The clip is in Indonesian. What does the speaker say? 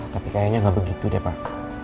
tapi kayaknya nggak begitu deh pak